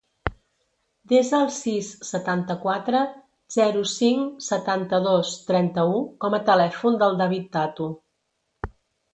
Desa el sis, setanta-quatre, zero, cinc, setanta-dos, trenta-u com a telèfon del David Tato.